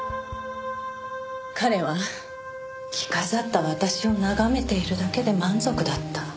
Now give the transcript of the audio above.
彼は着飾った私を眺めているだけで満足だった。